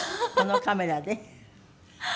このカメラで。